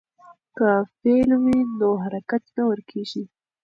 که فعل وي نو حرکت نه ورکېږي.